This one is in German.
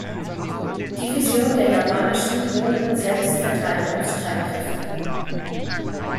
Division der japanischen Bodenselbstverteidigungsstreitkräfte.